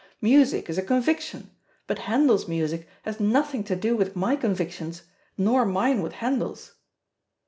Music is a conviction, but Handel's music has nothing to do with my convictions, nor mine with Handel's."